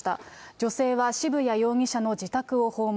女性は渋谷容疑者の自宅を訪問。